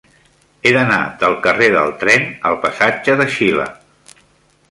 He d'anar del carrer del Tren al passatge de Xile.